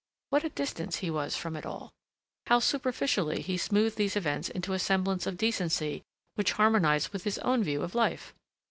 What a distance he was from it all! How superficially he smoothed these events into a semblance of decency which harmonized with his own view of life!